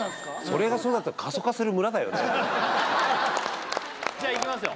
それがそうだったら過疎化する村だよねじゃあいきますよ